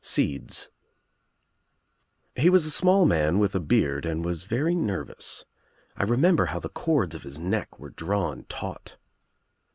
SEEDS TJE WAS a small man with a beard and was very nervous. I remember how the cords of his neck were drawn taut.